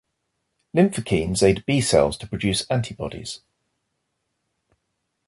Lymphokines aid B cells to produce antibodies.